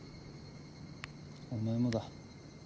お前もだ。